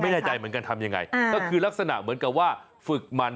ยังไงครับก็คือลักษณะเหมือนกับว่าฝึกมัน